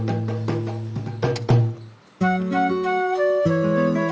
harusnya ihrinal roland arg